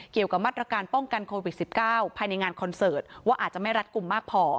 เกี่ยวกับมาตรการป้องกันโควิด๑๙ภายในงานคอนเสิร์ตว่าอาจจะไม่รัดกลุ่มมากพอ